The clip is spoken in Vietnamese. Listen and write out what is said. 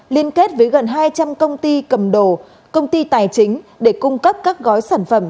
liên kết với gần hai trăm linh công ty cầm đồ công ty tài chính để cung cấp các gói sản phẩm